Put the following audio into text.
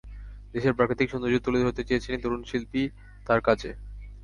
দেশের প্রাকৃতিক সৌন্দর্য তুলে ধরতে চেয়েছেন এই তরুণ শিল্পী তাঁর কাজে।